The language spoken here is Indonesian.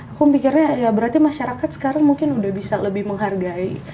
aku mikirnya ya berarti masyarakat sekarang mungkin udah bisa lebih menghargai